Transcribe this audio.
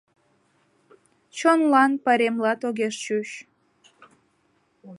Чонлан пайремлат огеш чуч.